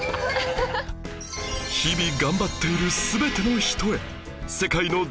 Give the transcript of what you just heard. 日々頑張っている全ての人へ